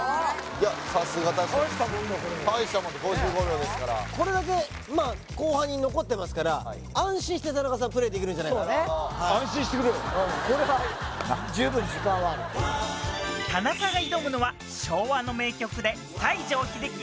いやさすが大したもんです５５秒ですからこれだけ後半に残ってますから安心して田中さんプレイできるんじゃないかな十分時間はある田中が挑むのは昭和の名曲で西城秀樹